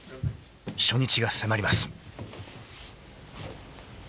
［初日が迫ります］